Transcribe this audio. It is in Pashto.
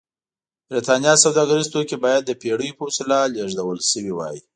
برېټانیا سوداګریز توکي باید د بېړیو په وسیله لېږدول شوي وای.